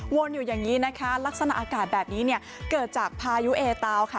อยู่อย่างนี้นะคะลักษณะอากาศแบบนี้เนี่ยเกิดจากพายุเอตาวค่ะ